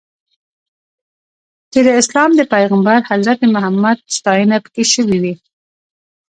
چې د اسلام د پیغمبر حضرت محمد ستاینه پکې شوې وي.